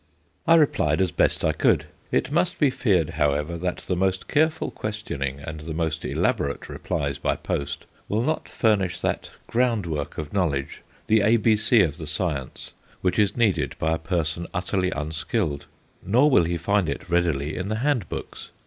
I replied as best I could. It must be feared, however, that the most careful questioning and the most elaborate replies by post will not furnish that ground work of knowledge, the ABC of the science, which is needed by a person utterly unskilled; nor will he find it readily in the hand books.